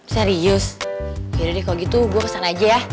serius yaudah deh kalo gitu gue kesana aja ya